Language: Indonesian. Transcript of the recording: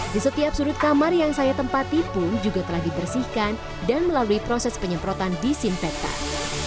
di setiap sudut kamar yang saya tempatipu juga telah dipersihkan dan melalui proses penyemprotan disimpetan